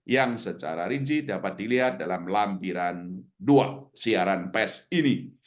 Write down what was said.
yang secara rinci dapat dilihat dalam lampiran duo siaran pes ini